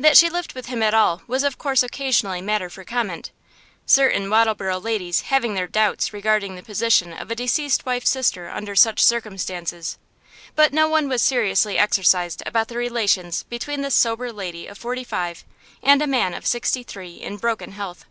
That she lived with him at all was of course occasionally matter for comment, certain Wattleborough ladies having their doubts regarding the position of a deceased wife's sister under such circumstances; but no one was seriously exercised about the relations between this sober lady of forty five and a man of sixty three in broken health.